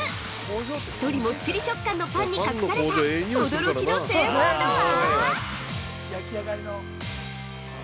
しっとりもっちり食感のパンに隠された、驚きの製法とは？